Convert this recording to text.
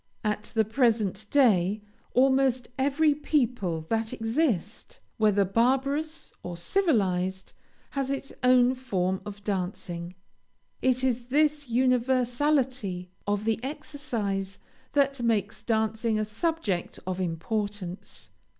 At the present day, almost every people that exist, whether barbarous or civilized, has its own form of dancing. It is this universality of the exercise that makes dancing a subject of importance.